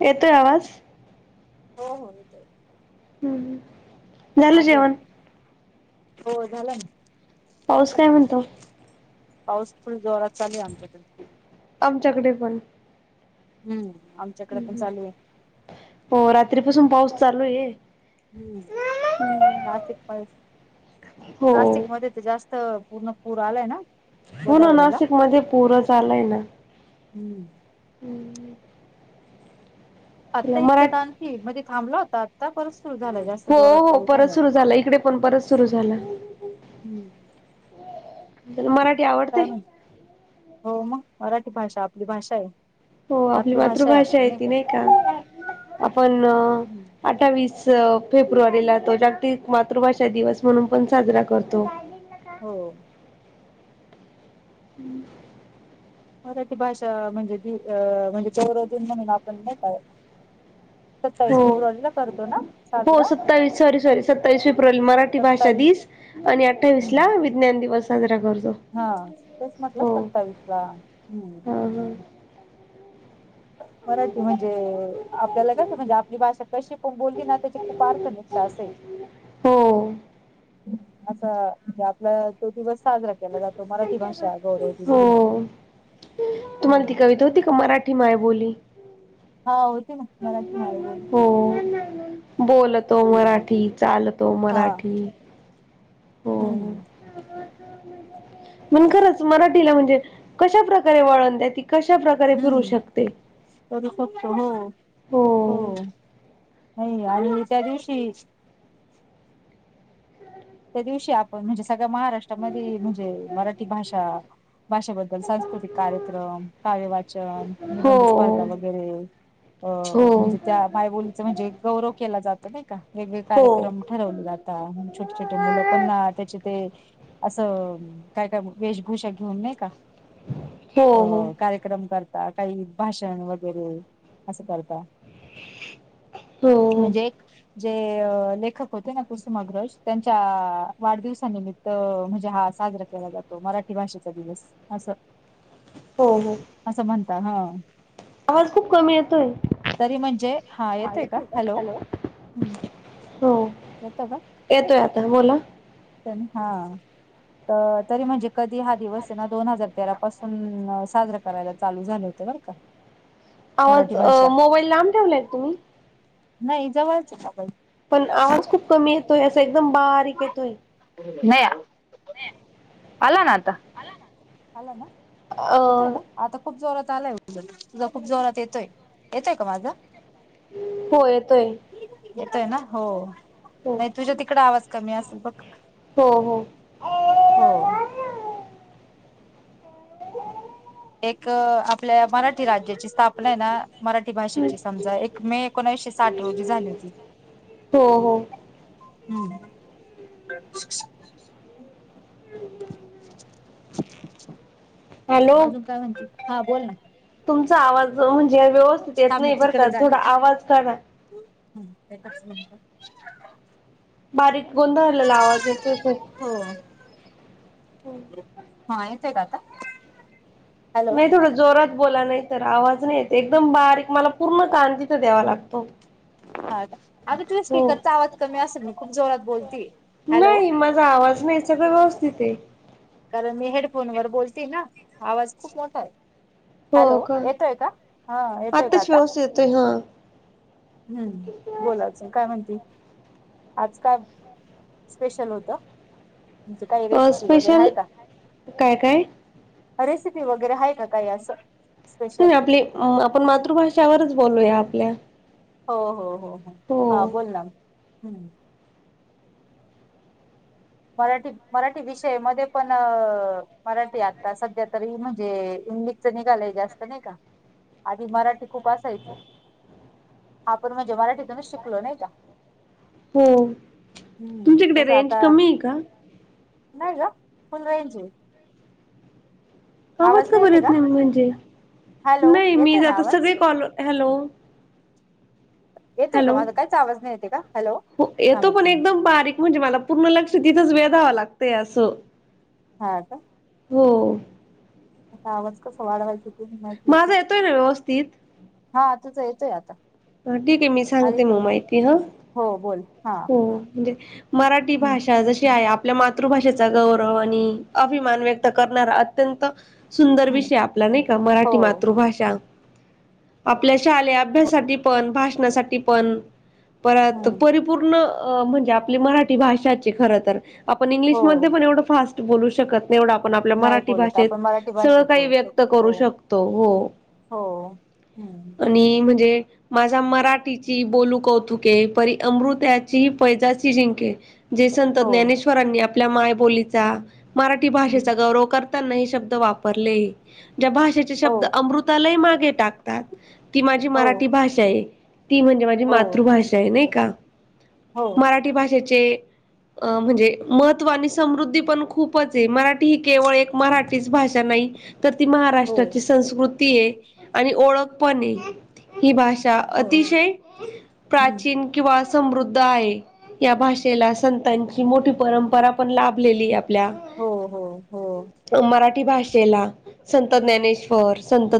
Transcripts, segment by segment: येतोय आवाज. हो हो येतोय. हम्म झालं हा बोल. जेवण? हो झालं ना. पाऊस काय म्हणतो? पाऊस फु जोरात चालू आमच्याकडे. आमच्याकडे पण. हम्म आ. हो रात्रीपासून पाऊस चालू आहे. हम्म नाशिक [inaudible] हो नाशिक. मध्ये तर जास्त पूर्ण पूर आलाय ना. होना गोदावरीला. नाशिक [inaudible] पूरं आलाय ना. हम्म. हम्म. आत्ता इतकं तर आणखी म्हणजे थांबला होता आत्ता पर. हो हो परत सुरु झाला इकडे पण परत सुरू झालं. हम्म मराठी आवडते. काय म्हण हो मग मराठी भाषा आपली भाषा आहे. हो आपली मातृभाषा आहे. ती नाही का आपण. हम्म अठ्ठावीस फेब्रुवारीला तो जागतिक मातृभाषा दिवस म्हणून पण साजरा करतो. हो. हम्म. मराठी भाषा म्हणजे म्हणजे चौराजून म्हणून आपण नेेतय. चाळीस हो फेब्रवला ब करतो. ना हो साजरा. सत्तावीस सॉरी सॉरी सत्तावीस फेब्रुवल मराठी भाषा सत्तावीस दिस आणि अठ्ठावीस ला हम्म विज्ञान दिवस साजरा करतो. हा तेच म्हटलं हो सत्तावीस ला हम्म. ह ह मराठी म्हणजे आपल्याला कसं म्हणजे आपली भाषा कशी पण बोलली ना त्याची खूप अर्थ निकता असेल. हो. असा म्हणजे आपला तो दिवस साजरा केला जातो मराठी भाषा गौरव दिन म्हणून. हो हम. माय बोली. हो हो ते ना. मराठी मायबोली हो बोलत तो हम्म मराठी चाल तो हा मराठी. हम्म. मण खरच मराठीला म्हणजे कशा प्रकारे वळण त्या त कशा प्रकारे फिरू हम्म शकते. करू शकतो हो, हो नाही आणि त्या दिवशी त्या दिवशी आपण म्हणजे सगळ्या महाराष्ट्रामध्ये म्हणजे मराठी भाषा भाषेबद्दल सांस्कृतिक कार्यक्रम काव्य वाचन, हो निबंध स्पर्धा वगैरे. अ हो हो म्हणजे त्या मायबोलीच म्हणजे गौरव केला जात नाही का. वेगळे हो कार्यक्रम ठरवले जात. छोटे छोटे मुलं पण ना त्याचे ते असं काय, काय वेशभूषा घेऊन नाही का. अ हो हो कार्यक्रम करता काही भाषण वगैरे असं करता. हो. म्हणजे एक जे लेखक होते ना कुसुमाग्रज त्यांच्या वाढदिवसानिमित्त म्हणजे हा साजरा केला जातो मराठी भाषेचा दिवस. असं. हो हो. असं म्हणता हा. आवाज खूप कमी येतोय तरी म्हणजे हा येतेय का? हॅलो हम्. हो येत का? येतोय आता बोला. हा. तरी म्हणजे कधी हा दिवस आहे ना दोन हजार तेरा पासून साजरा करायला चालू झाले होते बरं का. मराठी आवाज अ भाषा मोबाईल लांब ठेवलाय तुम्ही? नाही जवळच. [unintelligible] पण आवाज खूप कमी येतोय असं याचा एकदम बारीक येतोय. नाहीया. आला ना आता. अला ना. हल ना. येतोय ना? आता खूप जोरात आलाय उद तुझा खूप जोरात येतोय येतय का माझं? हो येतोय येतोय ना? हो हो नाही. तुझ्या तिकडे आवाज कमी असेल बघ. हो हो. हो. एक आपल्या मराठी राज्याची स्थापना आहे ना मराठी भाषेची समजा एक मे एकोण एकोनाविशे साठ रोजी झाली होती. हो हो. हम्म. [inaudible] [inaudible] अजून काय म्हणती? हा बोल ना. तुमचा आवाज म्हणजे व्यवस्थित येत थांब मी नाय बरं तिकडे का जाते थोडा थांब आवाज करा. हम्म, एकच मिंनट. बारीक गोंधळलेला आवाज येतोय खूप. हो, हा येतोय का आता? हॅलो नाय थोड जोरात बोला नाय तर आवाज नाय येते एकदम बारीक मला पूर्ण कांन तीथ द्यावा लागतो. हा अग तुज्या हो स्पीकरचा आवाज कमी असेल मी खूप जोरात बोलती. हॅलो नाही माझा आवाज नाईच सगळं व्यवस्थित ए. कारण मी हेडफोन वर बोलते ना आवाज खूप मोठा आय. हॅलो येतोय का हा येतोय का आत्ताच आता? व्यवस्थित येतोय हा हम्म, बोलाचं काय म्हणती आज काय स्पेशल होत तुमच काय रेसिपी वगैरे स्पेशल हाय काय काय? रेसिपी वगैरे हाय का काय असं? स्पेशल आपली आपण मातृभाशावरच बोलूया आपल्या. हो हो हो हो हा बोल ना हम्म. मराठीत मराठी विषया मध्ये पण मराठी आता सध्या तरी म्हणजे इंग्लिश च निगालय जास्त नाय का आधी मराठी खूप असायच. आपण म्हणजे मराठीतूनच शिकलो नाय का. हो हम्म तुमच्याकडे रेंज कमी हाय का? नाय ग फुल रेंज ए. आवाज का बर येत नाय मी म्हणजे? हॅलो नाय मी येतोय ज ना आता आवाज सगळे कॉल हॅलो येतोय का हॅलो माझा काहीच आवाज नाही येते का हॅलो हो थांब येतो एक पण मिनिट एकदम बारीक. म्हणजे मला पूर्ण लक्ष तिथंच वेधावं लागतंय असं. हा का. हो. आता आवाज कसा वाढवायच ते नाय माहिती याच्यात. माझा येतोय ना व्यवस्थित हा तुजा येतोय आता. हा ठीक ए मी अरे सांगते म कमी माहिती हा. हो बोल हा. हो म्हणजे मराठी हम्म भाषा जशी आय आप आपल्या मातृभाषेचा गौरव आणि अभिमान व्यक्त करणारा अत्यंत सुंदर हम्म विषय आपला नाई का हो मराठी मातृभाषा आपल्या शालेय अभ्यासाठी पण भाषणासाठी पण परत हम्म परिपूर्ण अ म्हणजे आपली मराठी भाषाच ए खर तर आपण हो इंग्लिशमध्ये पण एवढं फास्ट बोलू शकत एवढं आपण आपल्या नाही मराठी बोलत भाषेत आपण मराठी सगळ भाषेत काही बोलू व्यक्त शकतो हो करू शकतो हो. हो हम्म. आणि म्हणजे माझ्या मराठीची बोलू कौतुके, परी अमृत्याची पैजाची जिंके. जे संत हो ज्ञानेश्वरांनी आपल्या मायबोलीचा मराठी हम्म भाषेचा गौरव कर ''--'' ताना हे शब्द वापरले ज्या भाषेचे हो शब्द अमृतालाही मागे टाक ''--'' तात ती माझी हो मराठी भाषा आहे. ती म्हणजे माझी हो मातृभाषा आहे नाही का, हो मराठी भाषेचे. अ म्हणजे महत्त्व आणि समृद्धी पण खूपच आहे मराठी ही केवळ एक. मराठीच भाषा नाही. तर ती हो महाराष्ट्राची संस्कृती आहे. आणि ओळख पण आहे ही भाषा. त्या हो हो अतिशय हम्म प्राचीन. किंवा समृद्ध आहे. या भाषेला संतांची मोठी परंपरा पण लाभलेली आहे. पल्या हो हो हो मराठी भाषेला संत ज्ञानेश ''--'' वर, संत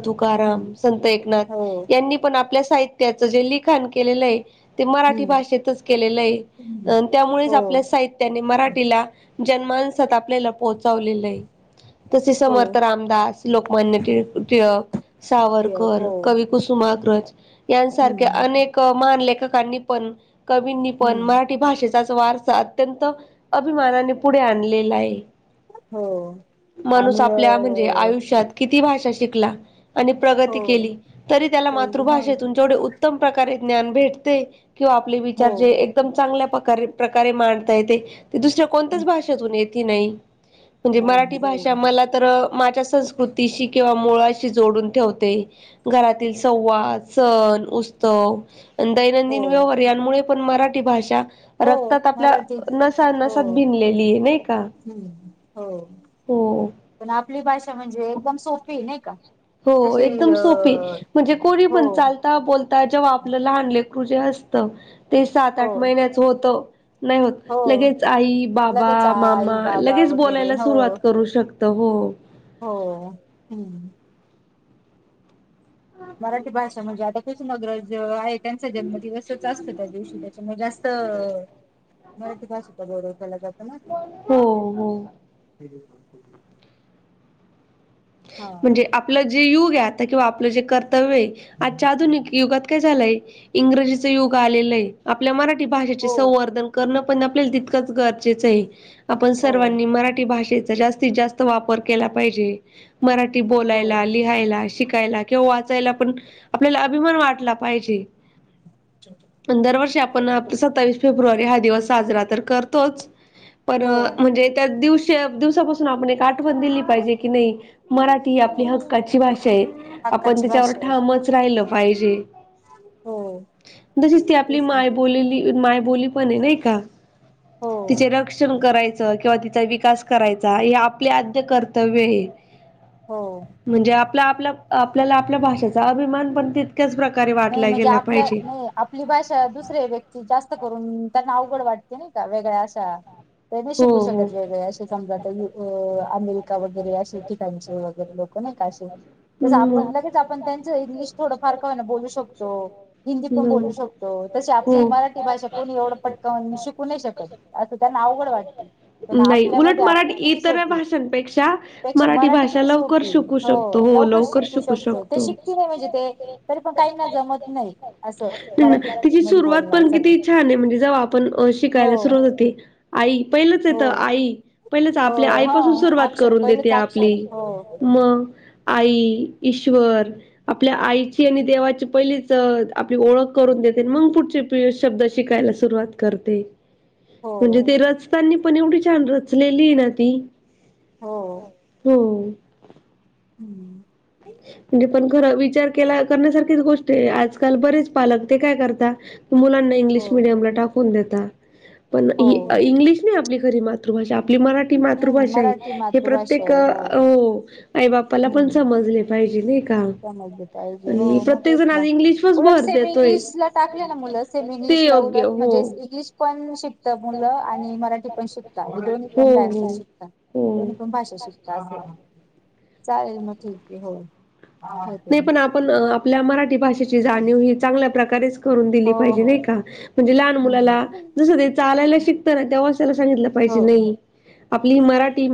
हम्म तुकाराम, संत हो एकनाथ यांनी पण आपल्या. साहित्याचं जे लिखण केलेलं आहे ते मराठी हम्म भाषेतच केलेलं आहे अ ''--'' त्यामुळेच हो हो आपल्या साहित्याने मराठीला जन्मानसात आपल्याला पोहोचवलेलं आहे. तसे समर्थ रामदास लोकमान्य टिळ टिळक. सावरकर हो कवी कुसुमाग्रज. यांसारख्या हम्म अनेक महान लेखकांनी पण कवींनी पण हम्म मराठी भाषेच. त्याचा वारसा अत्यंत अभिमानाने पुढे आणलेला आहे. हो माणूस आणि अ आपल्या म्हणजे आयुष्यात. किती भाषा शिकला आणि प्रगती हो केली तरी त्याला मातृ हो भाषेतून. जेवढे उत्तम प्रकारे ज्ञान भेटते किंवा आपले विचार हो जे एकदम चांगल्या प्रकारे. प्रकारे मांडता येत ते दुसऱ्या. कोणत्याच हम्म भाषून येती नाही म्हणजे मराठी नाही हो भाषा मला तर माझ्या संस ''--'' संस्कृतीशी किंवा मुळाशी जोडून ठेवते घरातील संवाद. सण उत्सव हो दैनंदिन व्यवहार यांमुळे पण मराठी भाषा. हो रक्तात आपल्या मराठीत नसा हो नसात भिनलेली आहे नाही काय. हम्म, हो, हो, पण आपली भाषा म्हणजे एकदम सोपी नाही का, हो तशी एकदम अ सोपी म्हणजे कोणी हो पण चालत ''--'' चा बोलता जेव्हा आपलं लहान लेकरू जे असत ते सात हो आठ महिन्याच होत. नाही होत हो लगेच आई बाबा लगेच आई मामा बाबा लगेच वगैरे बोलायला हो सुरुवात करू शकत. त हो, हो हम्म, मराठी भाषा म्हणजे आता कुसुमाग्रह आहे त्यांचा जन्मदिवसच असतो त्या दिवशी. म जास्त मराठी भाषेचा गौरव केला जातं ना. हो हो ह ब [unintelligible] हा म्हणजे आपलं जे युग आहे आता किंवा आपलं जे कर्तव्य आहे आजच्या आधुनिक युगात. काय झालंय इंग्रजीच युग आलेल हे आपल्या मराठी भाषेचे हो संवर्धन करण. पण आपल्याला तितकंच गरजेचं आहे आपण हो सर्वांनी मराठी भाषेच. जास्तीत जास्त वापर केला पाहिजे मराठी हो बोलायला लिह ''--'' लिहायला शिकायला किंवा वाचायला पण आपल्याला अभिमान वाटला पाहिजे. दरवर्षी आपण हो सत्तावीस फेब्रुवारी हा दिवस साजरा तर करतोच. पण हो म्हणजे त्या दिवशी दिवसापासून आपण एक आठवण दिली पाहिजे की नाही. मराठी ही आपली हो हक्काची भाषा आहे. आपण हक्काची त्याच्यावर भाषा आहे ठामच राहिलं पाहिजे. हो तशीच ती आपली तेच ना माय बोललेली मायबोली पण आहे नाही का? हो तिचे रक्षण करायचं किंवा तिचा विकास करायचा हे आपले आद्य कर्तव्य आहे. हो. म्हणजे आपला- आपला आपल्याला आपल्या भाषेचा अभिमान पण तितक्याच प्रकारे नाही वाटला म्हणजे गेला आपल्या पाहिजे. नाही आपली भाषा दुसऱ्या व्यक्ती जास्त करून त्यांना अवघड वाटते नाही का वेगळ्या अशा ते नाही हो शिकू हो. शकत वेगळे असे समजा आता हम्म. अमेरिका वगैरे अे ठिकाणचे वगैरे लोक कास आपण नाही लगेच आपण त्यांचं इंग्लिश थोडं फार क बोलू शकत तो हिंदी पण बोलू शक तो तशी आपली मराठी भाषा कोणी एवढं पटकावून शिकू नाही शकत. आता त्याना अजिबात अवघड वाटते. प आहे. नाही, उलट आपल्यामध्ये मराठी किती इतर सोपी भाषांपेक्षा पेक्षा मराठी भाषा किती लवकर सोपी आहे. शिकू हो शकतो लवकर शिकू शकतो ते शिकती नाही म्हणजे ते तरी पण काहीना जमत नाही. असं मराठी तिची मध्ये सुरुवात पण बोलण्यासाठी किती छान आहे म्हणजे जाऊ आपण हो शिकायला सुरुवात होते. आई पहिलंच हो येत आई पहिलंच हो आपल्या हा आईपासून सुरुवात अक्षर करून देते पहिलेच अक्षर आपली हो मग आई ईश्वर आपल्या आईची आणि देवाची पहिली चढ आपली ओळख करून देते मग पुढचे शब्द शिकायला सुरुवात करते. हो म्हणजे ते रचतनी पण एवढी छान रचलेली ना ती. हो हम्म. [inaudible] म्हणजे पण खर विचार केला करण्यासारखीच गोष्ट आहे. आजकाल बरेच पालक ते काय करता मुलांना हो इंग्लिश मिडियमला टाकून देता पण हो इंग्लिश नाही आपली खरी मा मातृभाषा आपली मराठी हम्म मातृभाषा आहे मराठी हे मातृभाषा प्रत्येक आहे हो आई बाप्पाला पण हम्म समजले पाहिजे नाही का. समजलं पाहिजे हो आणि मग प्रत्येक तेच जण आज ना इंग्लिशवरच उलट भर सेम देतोय इंग्लिश ला टाकले ना मुलं सेमी इंग्लिश ते ला योग्य उलट हो म्हणजे इंग्लिश पण शिकत मुलं आणि मराठी पण शिक शिकता हे दोन्ही हो पण लँग्वेज शिकता हो हो दोन्ही पण भाषा शिकतात. [unintelligible] चालेल मग ठीक आहे हो. नाही पण आपण आपल्या मराठी भाषेची जाणीव ही चांगल्या प्रकारेच करून दिली पाहिजे हो नाही का. म्हणजे लहान मुलाला जसं ते चालायला शिकत ना तेव्हा त्याला सांगितलं पाहिजे हो हो नाही आपली मराठी